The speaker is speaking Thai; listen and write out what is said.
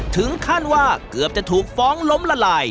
ถึงขั้นว่าเกือบจะถูกฟ้องล้มละลาย